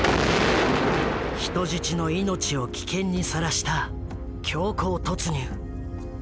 人質の命を危険にさらした強行突入。